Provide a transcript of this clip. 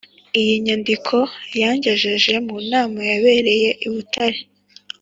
Iyi nyandiko yagejeje mu nama yabereye i Butare